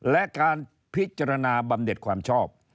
และการพิจารณาบำเด็ดความชอบ